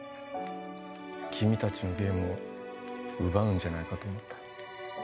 君たちのゲームを奪うんじゃないかと思って。